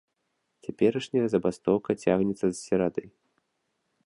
Цяперашняя забастоўка цягнецца з серады.